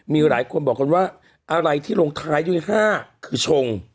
มีหลายคนบอกกันว่าอะไรที่ลงท้ายด้วย๕คือชง